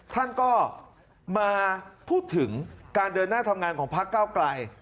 ท่านก็มาพูดถึงการเดินหน้าทำงานของพักเก้าไกล